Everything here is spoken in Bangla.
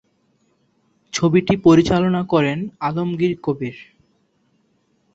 ছবিটি পরিচালনা করেন আলমগীর কবির।